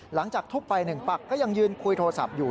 หลังจากทุบไปหนึ่งปักก็ยังยืนคุยโทรศัพท์อยู่